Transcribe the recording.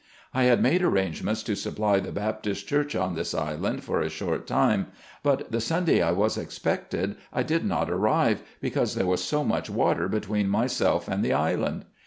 I had made arrangements to supply the Baptist Church on this island for a short time, but the Sunday I was expected, I did not arrive, because there was so much water between myself and the island.